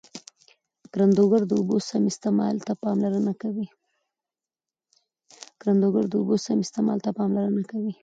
کروندګر د اوبو سم استعمال ته پاملرنه کوي